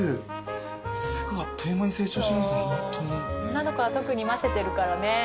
女の子は特にませてるからね。